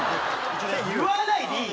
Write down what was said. それ言わないでいい！